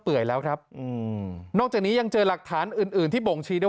ื่ยแล้วครับอืมนอกจากนี้ยังเจอหลักฐานอื่นอื่นที่บ่งชี้ได้